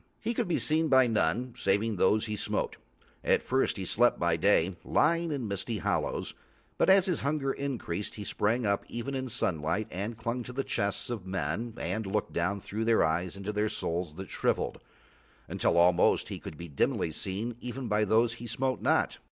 He could be seen by none saving those he smote. At first he slept by day, lying in misty hollows, but as his hunger increased he sprang up even in sunlight and clung to the chests of men and looked down through their eyes into their souls that shrivelled, until almost he could be dimly seen even by those he smote not.